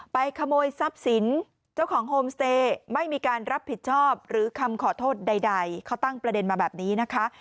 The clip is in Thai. ขโมยทรัพย์สินเจ้าของโฮมสเตย์ไม่มีการรับผิดชอบหรือคำขอโทษใดเขาตั้งประเด็นมาแบบนี้นะคะ